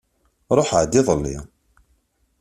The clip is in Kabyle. Ṛuḥeɣ-d iḍelli.